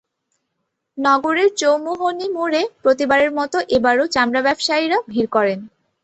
নগরের চৌমুহনী মোড়ে প্রতিবারের মতো এবারও চামড়া ব্যবসায়ীরা ভিড় করেন।